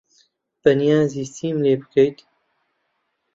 بەنیازی چیم لێ بکەیت؟